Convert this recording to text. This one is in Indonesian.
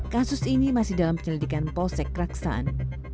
kasus ini masih dalam penyelidikan polsek raksaan